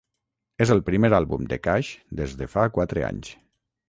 És el primer àlbum de Cash des de fa quatre anys.